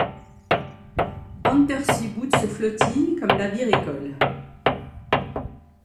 Unterseebootsflottille comme navire-école.